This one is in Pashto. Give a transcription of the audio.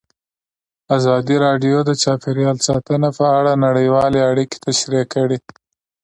ازادي راډیو د چاپیریال ساتنه په اړه نړیوالې اړیکې تشریح کړي.